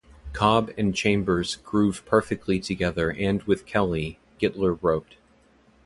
Cobb and Chambers groove perfectly together and with Kelly, Gitler wrote.